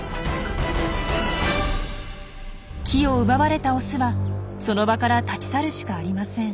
木を奪われたオスはその場から立ち去るしかありません。